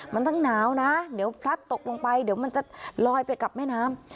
มันต้องหนาวนะเดี๋ยวพลัดตกลงไปเดี๋ยวมันจะลอยไปกับแม่น้ำ